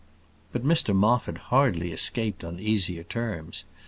But Mr Moffat hardly escaped on easier terms.